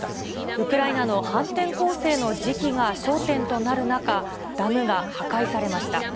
ウクライナの反転攻勢の時期が焦点となる中、ダムが破壊されました。